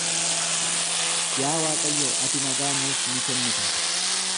Yaa Waaqayyo, ati nagaa nuuf ni kennita.